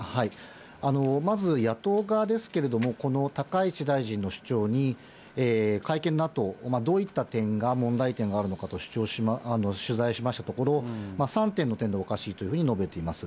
まず野党側ですけれども、この高市大臣の主張に、会見のあと、どういった点が問題点があるのかと取材しましたけれども、３点の点でおかしいというふうに述べています。